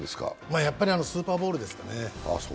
やっぱりスーパーボウルですかね。